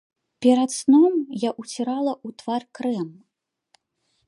Перад сном я ўцірала ў твар крэм.